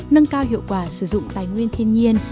nâng cao hiệu quả sử dụng tài nguyên thiên nhiên